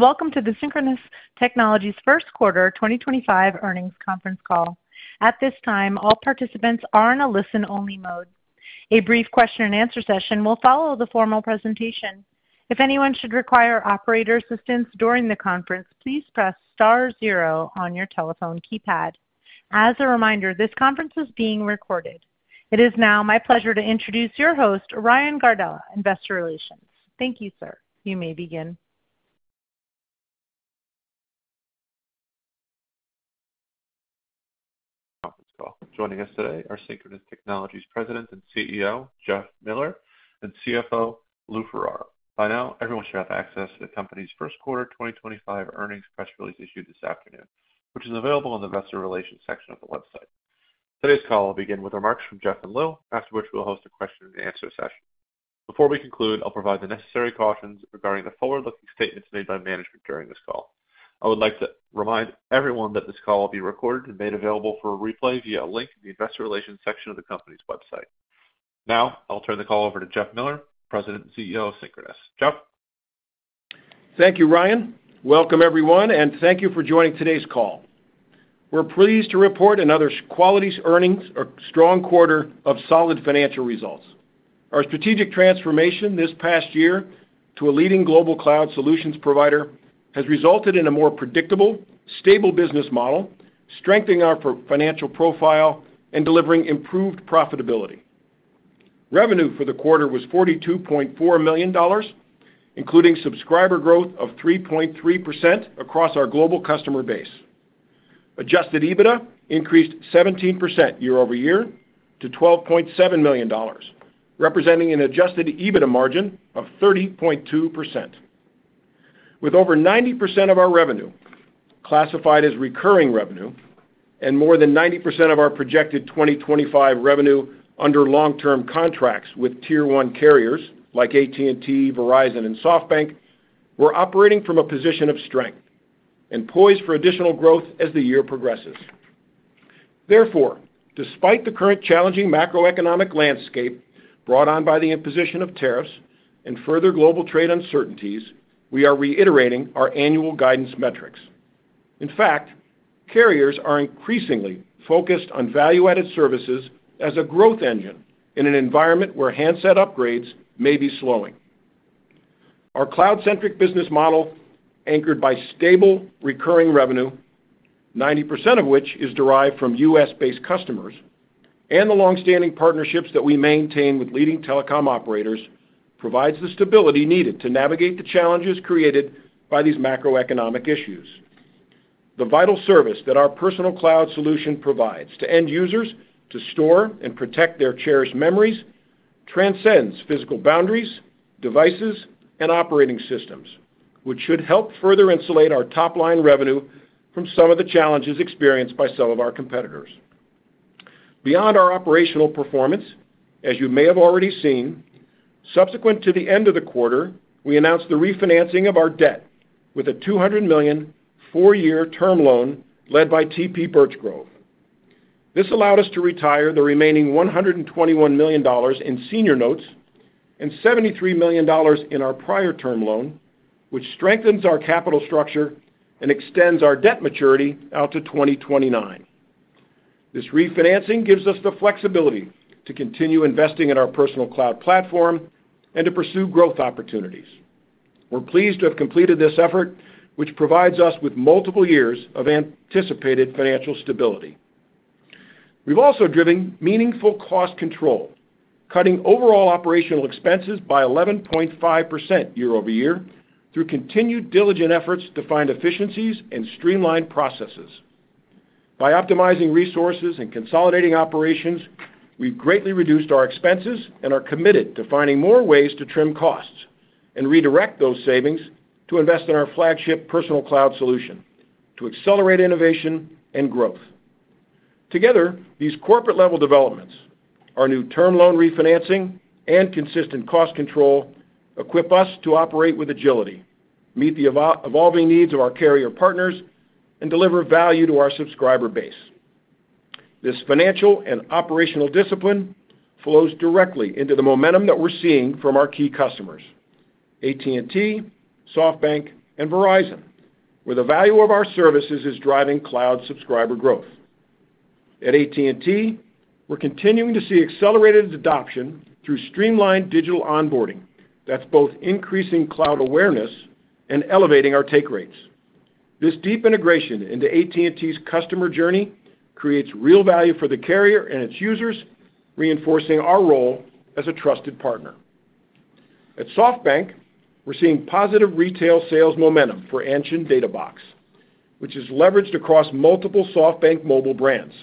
Welcome to the Synchronoss Technologies First Quarter 2025 Earnings Conference Call. At this time, all participants are in a listen-only mode. A brief question-and-answer session will follow the formal presentation. If anyone should require operator assistance during the conference, please press star zero on your telephone keypad. As a reminder, this conference is being recorded. It is now my pleasure to introduce your host, Ryan Gardella, Investor Relations. Thank you, sir. You may begin. Welcome to the call. Joining us today are Synchronoss Technologies President and CEO, Jeff Miller, and CFO, Lou Ferraro. By now, everyone should have access to the company's first quarter 2025 earnings press release issued this afternoon, which is available in the investor relations section of the website. Today's call will begin with remarks from Jeff and Lou, after which we'll host a question-and-answer session. Before we conclude, I'll provide the necessary cautions regarding the forward-looking statements made by management during this call. I would like to remind everyone that this call will be recorded and made available for replay via a link in the investor selations section of the company's website. Now, I'll turn the call over to Jeff Miller, President and CEO of Synchronoss. Jeff. Thank you, Ryan. Welcome, everyone, and thank you for joining today's call. We're pleased to report another quality earnings or strong quarter of solid financial results. Our strategic transformation this past year to a leading global cloud solutions provider has resulted in a more predictable, stable business model, strengthening our financial profile and delivering improved profitability. Revenue for the quarter was $42.4 million, including subscriber growth of 3.3% across our global customer base. Adjusted EBITDA increased 17% year-over-year to $12.7 million, representing an adjusted EBITDA margin of 30.2%. With over 90% of our revenue classified as recurring revenue and more than 90% of our projected 2025 revenue under long-term contracts with tier one carriers like AT&T, Verizon, and SoftBank, we're operating from a position of strength and poised for additional growth as the year progresses. Therefore, despite the current challenging macroeconomic landscape brought on by the imposition of tariffs and further global trade uncertainties, we are reiterating our annual guidance metrics. In fact, carriers are increasingly focused on value-added services as a growth engine in an environment where handset upgrades may be slowing. Our cloud-centric business model, anchored by stable recurring revenue, 90% of which is derived from U.S.-based customers and the long-standing partnerships that we maintain with leading telecom operators, provides the stability needed to navigate the challenges created by these macroeconomic issues. The vital service that our Personal Cloud solution provides to end users to store and protect their cherished memories transcends physical boundaries, devices, and operating systems, which should help further insulate our top-line revenue from some of the challenges experienced by some of our competitors. Beyond our operational performance, as you may have already seen, subsequent to the end of the quarter, we announced the refinancing of our debt with a $200 million four-year term loan led by TP Birch Grove. This allowed us to retire the remaining $121 million in senior notes and $73 million in our prior term loan, which strengthens our capital structure and extends our debt maturity out to 2029. This refinancing gives us the flexibility to continue investing in our Personal Cloud platform and to pursue growth opportunities. We're pleased to have completed this effort, which provides us with multiple years of anticipated financial stability. We've also driven meaningful cost control, cutting overall operational expenses by 11.5% year-over-year through continued diligent efforts to find efficiencies and streamline processes. By optimizing resources and consolidating operations, we've greatly reduced our expenses and are committed to finding more ways to trim costs and redirect those savings to invest in our flagship Personal Cloud solution to accelerate innovation and growth. Together, these corporate-level developments, our new term loan refinancing, and consistent cost control equip us to operate with agility, meet the evolving needs of our carrier partners, and deliver value to our subscriber base. This financial and operational discipline flows directly into the momentum that we're seeing from our key customers, AT&T, SoftBank, and Verizon, where the value of our services is driving cloud subscriber growth. At AT&T, we're continuing to see accelerated adoption through streamlined digital onboarding that's both increasing cloud awareness and elevating our take rates. This deep integration into AT&T's customer journey creates real value for the carrier and its users, reinforcing our role as a trusted partner. At SoftBank, we're seeing positive retail sales momentum for Anshin Data Box, which is leveraged across multiple SoftBank mobile brands,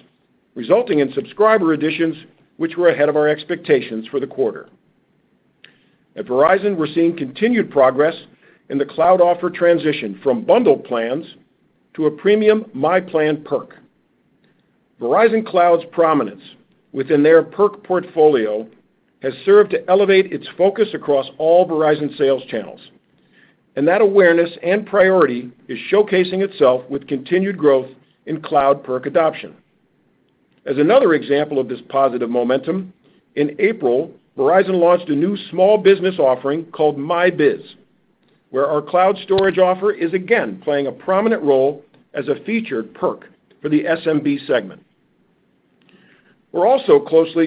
resulting in subscriber additions which were ahead of our expectations for the quarter. At Verizon, we're seeing continued progress in the cloud offer transition from bundled plans to a premium myPlan perk. Verizon Cloud's prominence within their perk portfolio has served to elevate its focus across all Verizon sales channels, and that awareness and priority is showcasing itself with continued growth in cloud perk adoption. As another example of this positive momentum, in April, Verizon launched a new small business offering called My Biz, where our cloud storage offer is again playing a prominent role as a featured perk for the SMB segment. We're also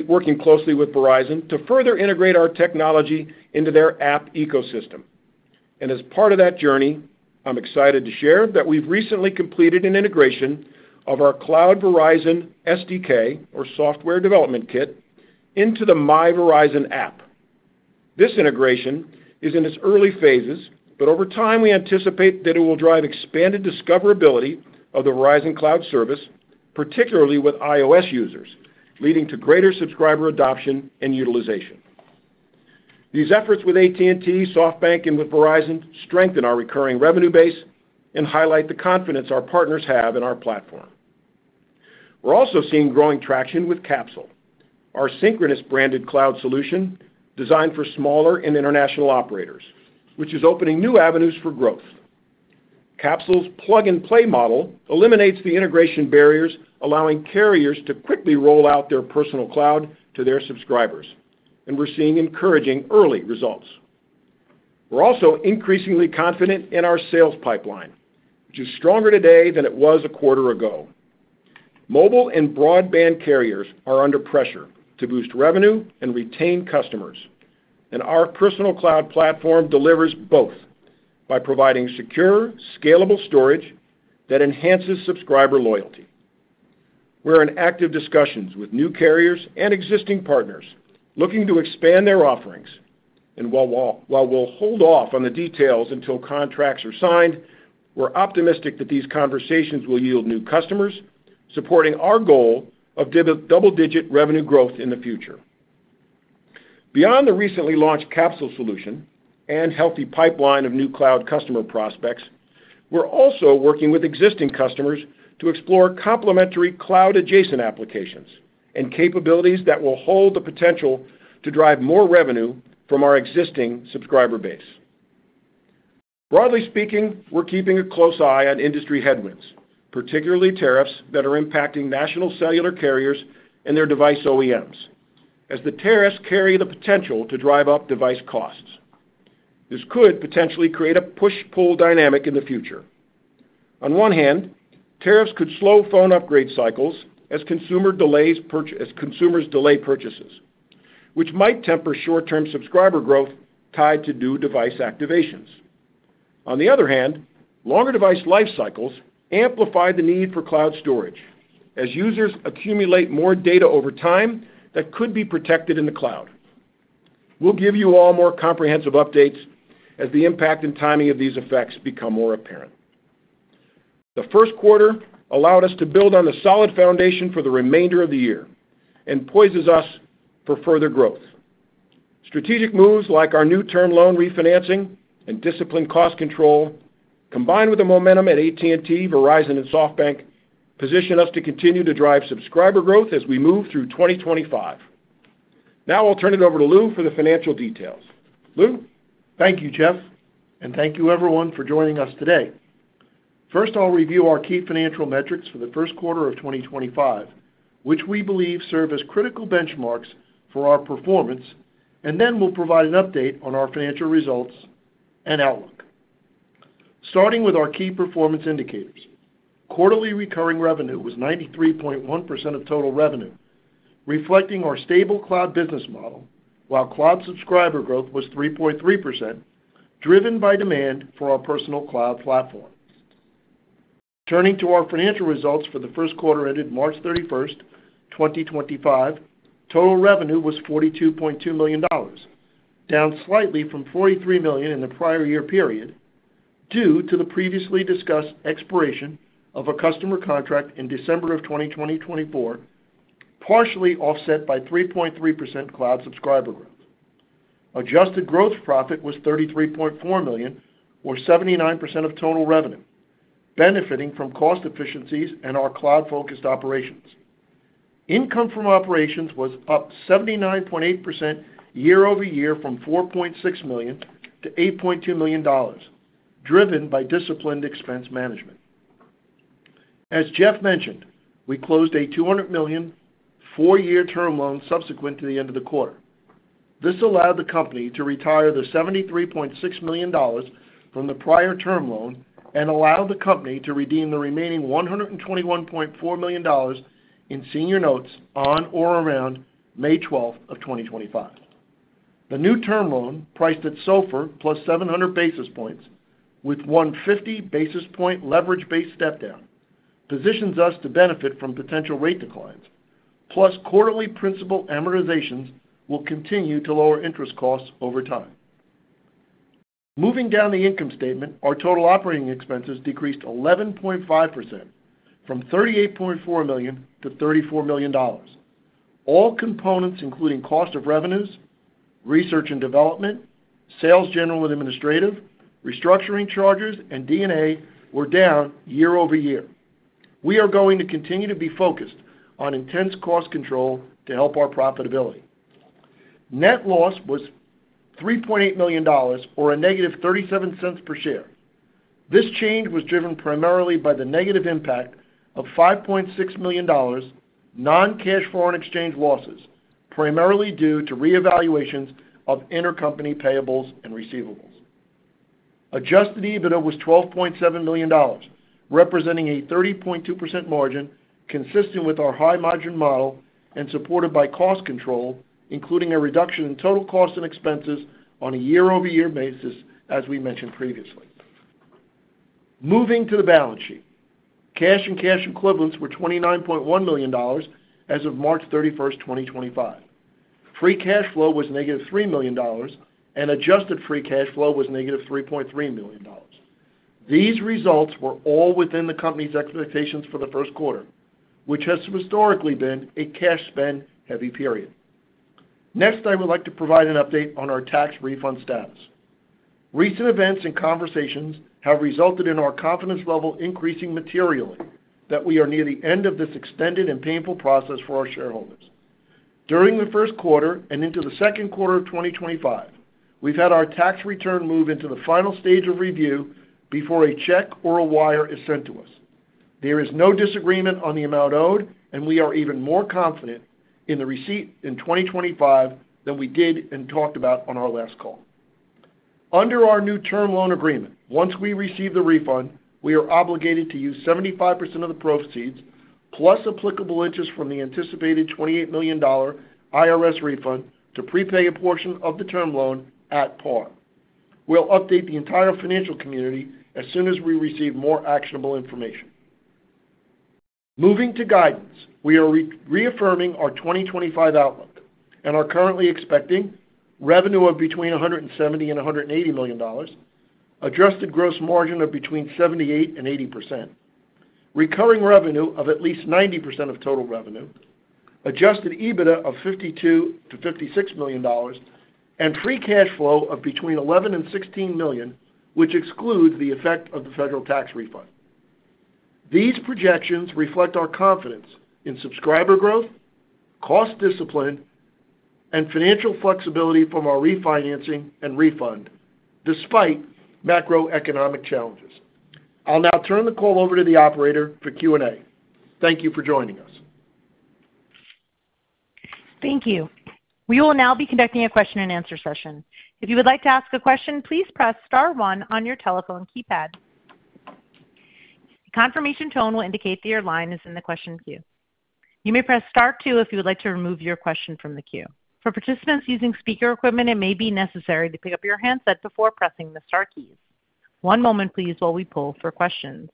working closely with Verizon to further integrate our technology into their app ecosystem. As part of that journey, I'm excited to share that we've recently completed an integration of our Cloud Verizon SDK, or Software Development Kit, into the My Verizon App. This integration is in its early phases, but over time, we anticipate that it will drive expanded discoverability of the Verizon Cloud service, particularly with iOS users, leading to greater subscriber adoption and utilization. These efforts with AT&T, SoftBank, and with Verizon strengthen our recurring revenue base and highlight the confidence our partners have in our platform. We're also seeing growing traction with Capsyl, our Synchronoss branded cloud solution designed for smaller and international operators, which is opening new avenues for growth. Capsyl's plug-and-play model eliminates the integration barriers, allowing carriers to quickly roll out their personal cloud to their subscribers, and we're seeing encouraging early results. We're also increasingly confident in our sales pipeline, which is stronger today than it was a quarter ago. Mobile and broadband carriers are under pressure to boost revenue and retain customers, and our Personal Cloud platform delivers both by providing secure, scalable storage that enhances subscriber loyalty. We're in active discussions with new carriers and existing partners looking to expand their offerings, and while we'll hold off on the details until contracts are signed, we're optimistic that these conversations will yield new customers supporting our goal of double-digit revenue growth in the future. Beyond the recently launched Capsyl solution and healthy pipeline of new cloud customer prospects, we're also working with existing customers to explore complementary cloud-adjacent applications and capabilities that will hold the potential to drive more revenue from our existing subscriber base. Broadly speaking, we're keeping a close eye on industry headwinds, particularly tariffs that are impacting national cellular carriers and their device OEMs, as the tariffs carry the potential to drive up device costs. This could potentially create a push-pull dynamic in the future. On one hand, tariffs could slow phone upgrade cycles as consumers delay purchases, which might temper short-term subscriber growth tied to new device activations. On the other hand, longer device life cycles amplify the need for cloud storage as users accumulate more data over time that could be protected in the cloud. We'll give you all more comprehensive updates as the impact and timing of these effects become more apparent. The first quarter allowed us to build on the solid foundation for the remainder of the year and poises us for further growth. Strategic moves like our new term loan refinancing and disciplined cost control, combined with the momentum at AT&T, Verizon, and SoftBank, position us to continue to drive subscriber growth as we move through 2025. Now I'll turn it over to Lou for the financial details. Lou? Thank you, Jeff, and thank you, everyone, for joining us today. First, I'll review our key financial metrics for the first quarter of 2025, which we believe serve as critical benchmarks for our performance, and then we'll provide an update on our financial results and outlook. Starting with our key performance indicators, quarterly recurring revenue was 93.1% of total revenue, reflecting our stable cloud business model, while cloud subscriber growth was 3.3%, driven by demand for our Personal Cloud platform. Turning to our financial results for the first quarter ended March 31st, 2025, total revenue was $42.2 million, down slightly from $43 million in the prior year period due to the previously discussed expiration of a customer contract in December of 2024, partially offset by 3.3% cloud subscriber growth. Adjusted gross profit was $33.4 million, or 79% of total revenue, benefiting from cost efficiencies and our cloud-focused operations. Income from operations was up 79.8% year-over-year from $4.6 million to $8.2 million, driven by disciplined expense management. As Jeff mentioned, we closed a $200 million four-year term loan subsequent to the end of the quarter. This allowed the company to retire the $73.6 million from the prior term loan and allowed the company to redeem the remaining $121.4 million in senior notes on or around May 12th, 2025. The new term loan, priced at SOFR plus 700 basis points with one 50-basis-point leverage-based step-down, positions us to benefit from potential rate declines, plus quarterly principal amortizations will continue to lower interest costs over time. Moving down the income statement, our total operating expenses decreased 11.5% from $38.4 million to $34 million. All components, including cost of revenues, research and development, sales general and administrative, restructuring charges, and D&A, were down year-over-year. We are going to continue to be focused on intense cost control to help our profitability. Net loss was $3.8 million, or a -$0.37 per share. This change was driven primarily by the negative impact of $5.6 million non-cash foreign exchange losses, primarily due to reevaluations of intercompany payables and receivables. Adjusted EBITDA was $12.7 million, representing a 30.2% margin consistent with our high-margin model and supported by cost control, including a reduction in total cost and expenses on a year-over-year basis, as we mentioned previously. Moving to the balance sheet, cash and cash equivalents were $29.1 million as of March 31st, 2025. Free cash flow was -$3 million, and adjusted free cash flow was -$3.3 million. These results were all within the company's expectations for the first quarter, which has historically been a cash-spend-heavy period. Next, I would like to provide an update on our tax refund status. Recent events and conversations have resulted in our confidence level increasing materially that we are near the end of this extended and painful process for our shareholders. During the first quarter and into the second quarter of 2025, we've had our tax return move into the final stage of review before a check or a wire is sent to us. There is no disagreement on the amount owed, and we are even more confident in the receipt in 2025 than we did and talked about on our last call. Under our new term loan agreement, once we receive the refund, we are obligated to use 75% of the proceeds plus applicable interest from the anticipated $28 million IRS refund to prepay a portion of the term loan at par. We'll update the entire financial community as soon as we receive more actionable information. Moving to guidance, we are reaffirming our 2025 outlook and are currently expecting revenue of between $170 million and $180 million, adjusted gross margin of between 78% and 80%, recurring revenue of at least 90% of total revenue, adjusted EBITDA of $52 million-$56 million, and free cash flow of between $11 million and $16 million, which excludes the effect of the federal tax refund. These projections reflect our confidence in subscriber growth, cost discipline, and financial flexibility from our refinancing and refund despite macroeconomic challenges. I'll now turn the call over to the operator for Q&A. Thank you for joining us. Thank you. We will now be conducting a question-and-answer session. If you would like to ask a question, please press star one on your telephone keypad. The confirmation tone will indicate that your line is in the question queue. You may press star two if you would like to remove your question from the queue. For participants using speaker equipment, it may be necessary to pick up your handset before pressing the star keys. One moment, please, while we pull for questions.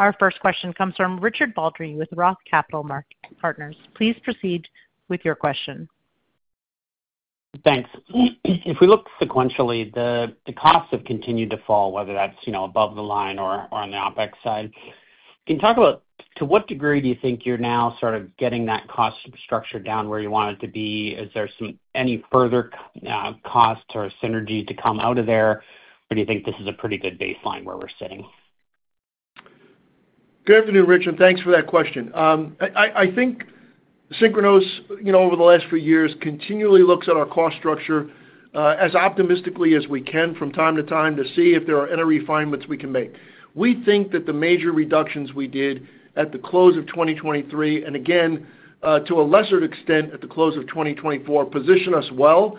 Our first question comes from Richard Baldry with Roth Capital Partners. Please proceed with your question. Thanks. If we look sequentially, the costs have continued to fall, whether that's above the line or on the OpEx side. Can you talk about to what degree do you think you're now sort of getting that cost structure down where you want it to be? Is there any further cost or synergy to come out of there, or do you think this is a pretty good baseline where we're sitting? Good afternoon, Richard. Thanks for that question. I think Synchronoss, over the last few years, continually looks at our cost structure as optimistically as we can from time to time to see if there are any refinements we can make. We think that the major reductions we did at the close of 2023, and again, to a lesser extent at the close of 2024, position us well.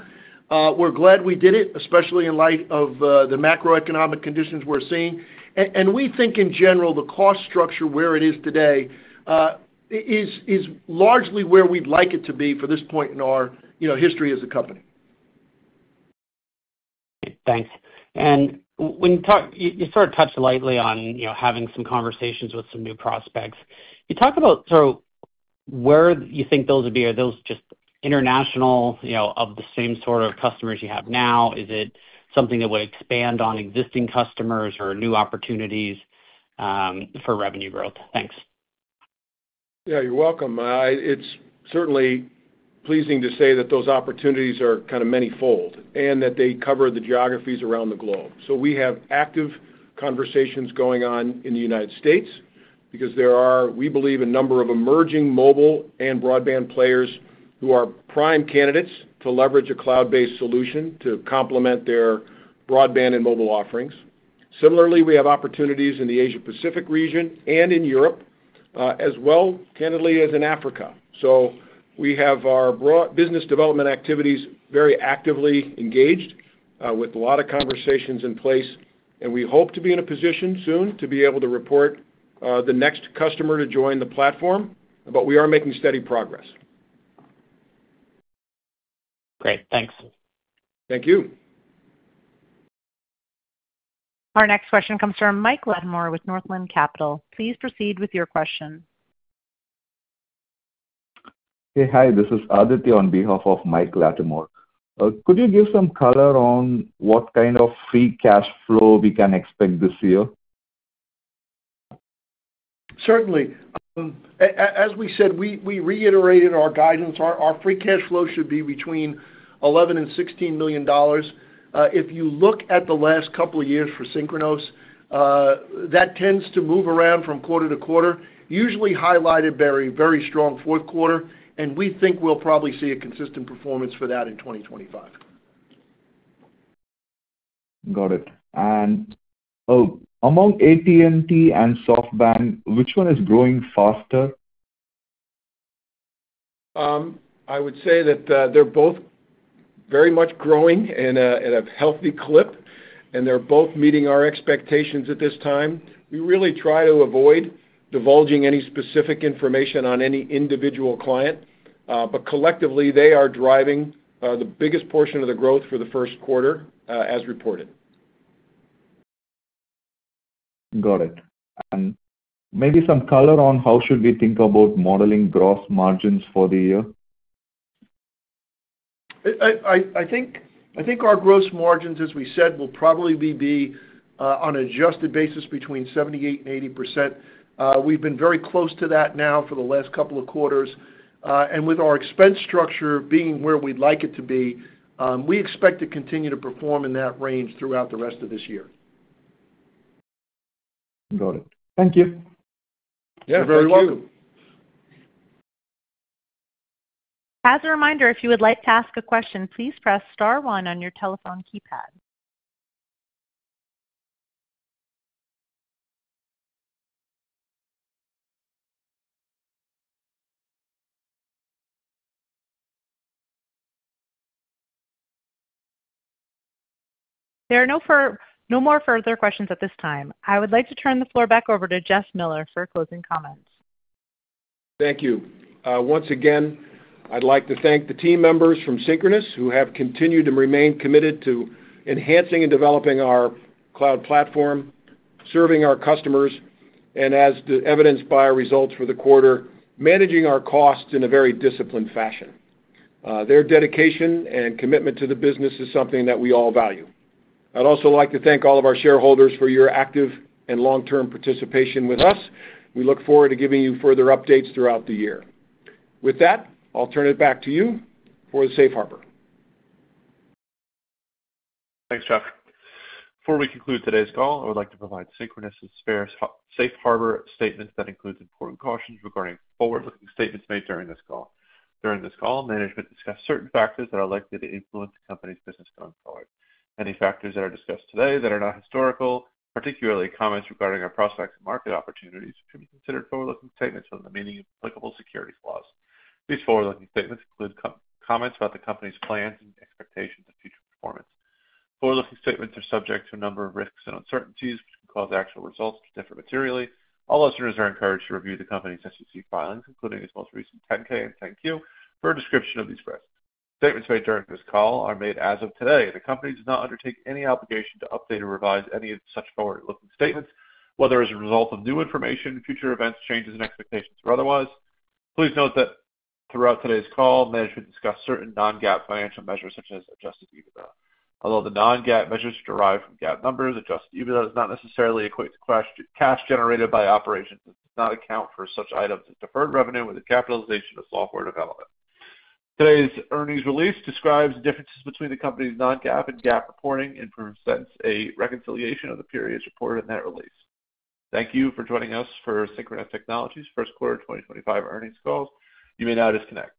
We're glad we did it, especially in light of the macroeconomic conditions we're seeing. We think, in general, the cost structure where it is today is largely where we'd like it to be for this point in our history as a company. Thanks. You sort of touched lightly on having some conversations with some new prospects. Can you talk about where you think those will be? Are those just international of the same sort of customers you have now? Is it something that would expand on existing customers or new opportunities for revenue growth? Thanks. Yeah, you're welcome. It's certainly pleasing to say that those opportunities are kind of many-fold and that they cover the geographies around the globe. We have active conversations going on in the United States because there are, we believe, a number of emerging mobile and broadband players who are prime candidates to leverage a cloud-based solution to complement their broadband and mobile offerings. Similarly, we have opportunities in the Asia-Pacific region and in Europe, as well candidly as in Africa. We have our business development activities very actively engaged with a lot of conversations in place, and we hope to be in a position soon to be able to report the next customer to join the platform, but we are making steady progress. Great. Thanks. Thank you. Our next question comes from Mike Latimore with Northland Capital. Please proceed with your question. Hey, hi. This is Aditya on behalf of Mike Latimore. Could you give some color on what kind of free cash flow we can expect this year? Certainly. As we said, we reiterated our guidance. Our free cash flow should be between $11 million and $16 million. If you look at the last couple of years for Synchronoss, that tends to move around from quarter to quarter, usually highlighted by a very strong fourth quarter, and we think we'll probably see a consistent performance for that in 2025. Got it. Among AT&T and SoftBank, which one is growing faster? I would say that they're both very much growing at a healthy clip, and they're both meeting our expectations at this time. We really try to avoid divulging any specific information on any individual client, but collectively, they are driving the biggest portion of the growth for the first quarter as reported. Got it. Maybe some color on how should we think about modeling gross margins for the year? I think our gross margins, as we said, will probably be on an adjusted basis between 78% and 80%. We've been very close to that now for the last couple of quarters. With our expense structure being where we'd like it to be, we expect to continue to perform in that range throughout the rest of this year. Got it. Thank you. Thank you. You're very welcome As a reminder, if you would like to ask a question, please press star one on your telephone keypad. There are no further questions at this time. I would like to turn the floor back over to Jeff Miller for closing comments. Thank you. Once again, I'd like to thank the team members from Synchronoss who have continued to remain committed to enhancing and developing our Cloud Platform, serving our customers, and as evidenced by our results for the quarter, managing our costs in a very disciplined fashion. Their dedication and commitment to the business is something that we all value. I'd also like to thank all of our shareholders for your active and long-term participation with us. We look forward to giving you further updates throughout the year. With that, I'll turn it back to you for the safe harbor. Thanks, Jeff. Before we conclude today's call, I would like to provide Synchronoss' fair safe harbor statement that includes important cautions regarding forward-looking statements made during this call. During this call, management discussed certain factors that are likely to influence the company's business going forward. Any factors that are discussed today that are not historical, particularly comments regarding our prospects and market opportunities, should be considered forward-looking statements with remaining applicable securities laws. These forward-looking statements include comments about the company's plans and expectations of future performance. Forward-looking statements are subject to a number of risks and uncertainties which can cause actual results to differ materially. All listeners are encouraged to review the company's SEC filings, including its most recent 10-K and 10-Q, for a description of these risks. Statements made during this call are made as of today. The company does not undertake any obligation to update or revise any of such forward-looking statements, whether as a result of new information, future events, changes, and expectations, or otherwise. Please note that throughout today's call, management discussed certain non-GAAP financial measures such as adjusted EBITDA. Although the non-GAAP measures derive from GAAP numbers, adjusted EBITDA does not necessarily equate to cash generated by operations and does not account for such items as deferred revenue with the capitalization of software development. Today's earnings release describes the differences between the company's non-GAAP and GAAP reporting and presents a reconciliation of the periods reported in that release. Thank you for joining us for Synchronoss Technologies' first quarter 2025 earnings call. You may now disconnect.